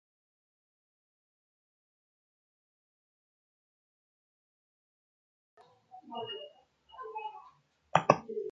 حُكِم عليّ بالموت.